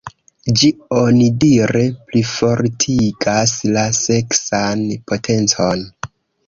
Ĝi onidire plifortigas la seksan potencon.